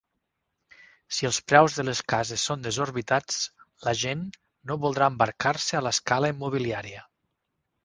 Si els preus de les cases són desorbitats, la gent no voldrà embarcar-se a l'escala immobiliària.